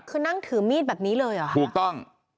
คือนั่งถือมีดแบบนี้เลยเหรอคะถูกต้อง